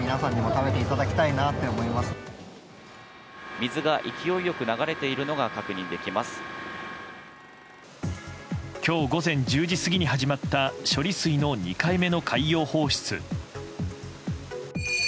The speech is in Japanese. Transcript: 水が勢いよく流れているのが今日午前１０時過ぎに始まった処理水の２回目の海洋放出。